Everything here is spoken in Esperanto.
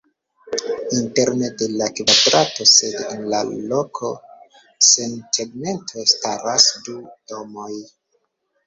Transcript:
Interne de la kvadrato, sed en la loko sen tegmento, staras du domoj.